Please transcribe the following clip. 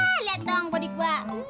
hah liat dong bodi gue